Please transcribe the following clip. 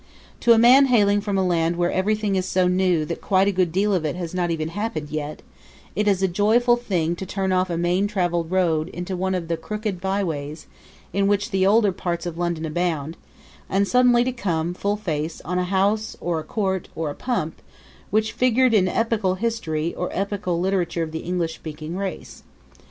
To a man hailing from a land where everything is so new that quite a good deal of it has not even happened yet, it is a joyful thing to turn off a main traveled road into one of the crooked byways in which the older parts of London abound, and suddenly to come, full face, on a house or a court or a pump which figured in epochal history or epochal literature of the English speaking race.